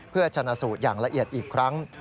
เพื่อชนะสูตรอย่างละเอียดอีกครั้ง